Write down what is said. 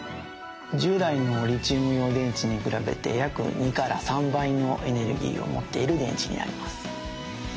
従来のリチウムイオン電池に比べて約２から３倍のエネルギーを持っている電池になります。